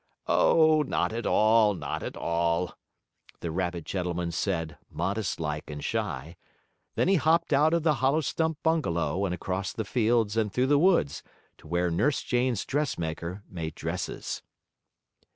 "Oh, not at all! Not at all!" the rabbit gentleman said, modest like and shy. Then he hopped out of the hollow stump bungalow and across the fields and through the woods to where Nurse Jane's dressmaker made dresses.